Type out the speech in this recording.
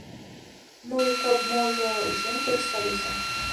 Ну, і каб, можа, усе ім карысталіся.